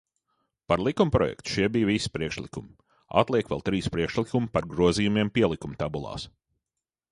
Par likumprojektu šie bija visi priekšlikumi, atliek vēl trīs priekšlikumi par grozījumiem pielikumu tabulās.